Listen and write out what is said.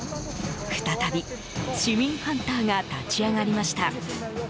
再び、市民ハンターが立ち上がりました。